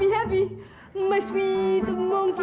iya ini kebetulannya